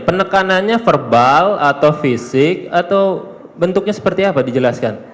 penekanannya verbal atau fisik atau bentuknya seperti apa dijelaskan